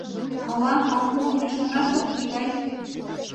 Ала... ала-мо ӱшанаш ок лий гай.